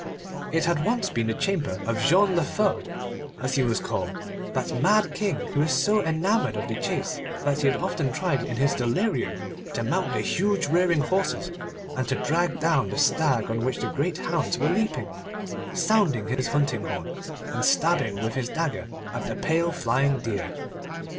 It had once been the chamber of Jean le Fou, as he was called, that mad King who was so enamoured of the chase, that he had often tried in his delirium to mount the huge rearing horses, and to drag down the stag on which the great hounds were leaping, sounding his hunting horn, and stabbing with his dagger at the pale flying deer.